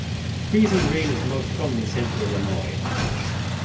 Freezing rain is most common in central Illinois.